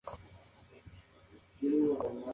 Se permite ejercer con el grado de Lic.